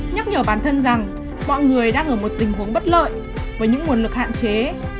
nhắc nhở bản thân rằng mọi người đang ở một tình huống bất lợi với những nguồn lực hạn chế